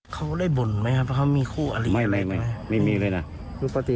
เขาได้บ่นไหมครับว่ามีคู่อะไรไม่ไม่ไม่ไม่มีเลยน่ะไม่มี